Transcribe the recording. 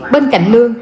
bên cạnh lương